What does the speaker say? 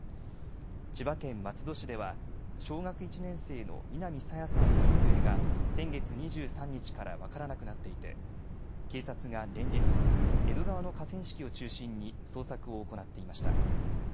千葉県松戸市では小学１年生の南朝芽さんの行方が先月２３日から分からなくなっていて警察が連日、江戸川の河川敷を中心に捜索を行っていました。